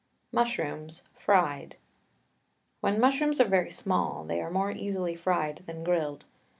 MUSHROOMS, FRIED. When mushrooms are very small they are more easily fried than grilled.